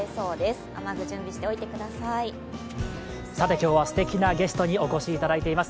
今日はすてきなゲストにお越しいただいています。